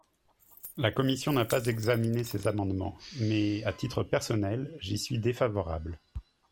La commission n’a pas examiné ces amendements mais, à titre personnel, j’y suis défavorable.